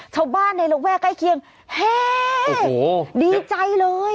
เช้าบ้านในหลวงแว่ใกล้เคียงเฮ้ดีใจเลย